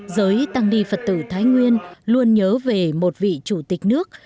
đối với tăng ni phật tử thái nguyên luôn nhớ về một vị chủ tịch nước